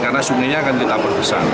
karena sungainya akan tidak berbesar